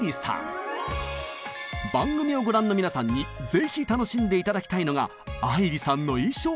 番組をご覧の皆さんにぜひ楽しんで頂きたいのが愛理さんの衣装！